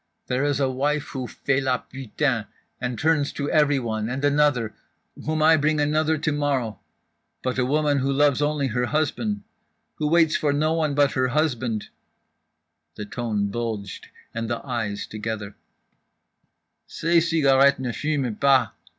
There is a wife who fait la putain and turns, to everyone and another, whom I bring another tomorrow … but a woman who loves only her husband, who waits for no one but her husband—" (the tone bulged, and the eyes together) "— _Ces cigarettes ne fument pas!